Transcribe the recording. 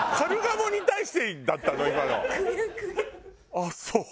あっそう。